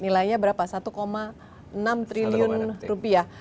nilainya berapa satu enam triliun rupiah